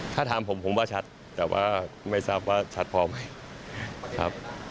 ถ้าถามผมผมว่าชัดแต่ว่าไม่ทราบว่าชัดพอไหมครับ